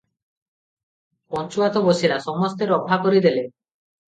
ପଞ୍ଚୁଆତ ବସିଲା, ସମସ୍ତେ ରଫା କରି ଦେଲେ ।